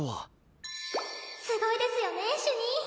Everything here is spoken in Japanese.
すごいですよね主任！